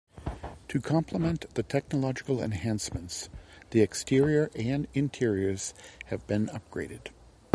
To complement the technological enhancements, the exterior and interiors have been upgraded.